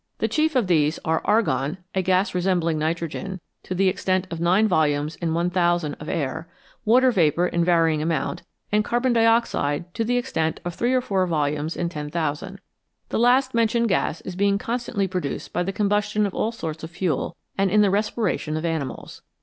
The chief of these are argon, a gas resembling nitrogen, to the extent of 9 volumes in 1000 of air, water vapour in varying amount, and carbon dioxide to the extent of 3 or 4 volumes in 10,000. The last mentioned gas is being constantly produced by the com bustion of all sorts of fuel, and in the respiration of animals.